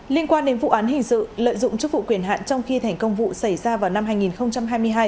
liên quan đến vụ án hình sự lợi dụng chức vụ quyền hạn trong khi thành công vụ xảy ra vào năm hai nghìn hai mươi hai